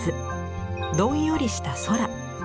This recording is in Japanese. どんよりした空。